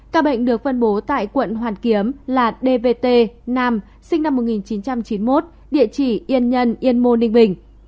ca bệnh được phân bố tại quận hoàn kiếm là dvt nam sinh năm một nghìn chín trăm chín mươi một địa chỉ yên nhân yên yên môn ninh bình